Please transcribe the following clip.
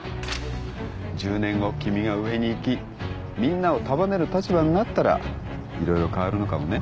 １０年後君が上にいきみんなを束ねる立場になったら色々変わるのかもね。